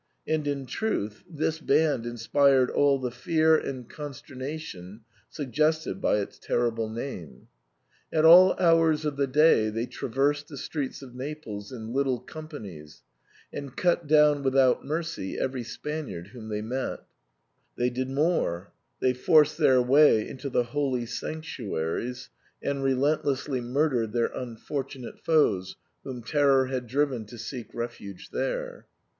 And in truth this band inspired all the fear and consternation suggested by its terrible name. At all hours of the day they traversed the streets of Naples in little companies, and cut down without mercy every Spaniard whom they met They did more — they forced their way into the holy sanctuaries, and relentlessly murdered their un fortunate foes whom terror had driven to seek refuge there.